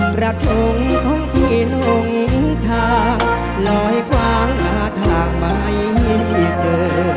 กระทงของพี่หลงทางลอยคว้างหาทางไม่เจอ